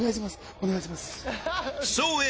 お願いします